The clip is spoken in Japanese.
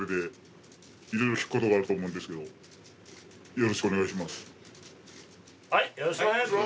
よろしくお願いします。